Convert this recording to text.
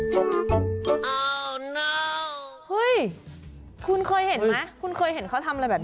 โอ้โหคุณเคยเห็นไหมคุณเคยเห็นเขาทำอะไรแบบนี้